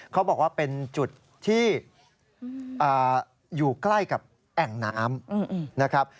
เขาบอกว่าเป็นจุดที่อยู่ใกล้กับแอ่งน้ำนะครับ